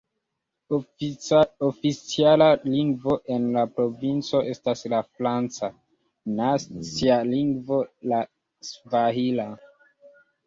Oficiala lingvo en la provinco estas la franca, nacia lingvo la svahila.